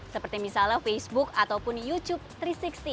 seperti misalnya facebook ataupun youtube tiga ratus enam puluh